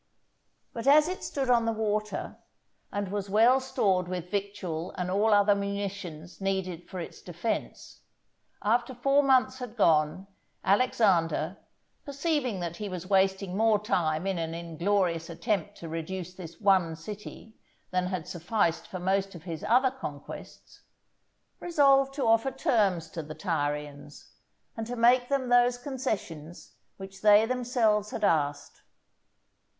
But as it stood on the water, and was well stored with victual and all other munitions needed for its defence, after four months had gone, Alexander, perceiving that he was wasting more time in an inglorious attempt to reduce this one city than had sufficed for most of his other conquests, resolved to offer terms to the Tyrians, and to make them those concessions which they themselves had asked.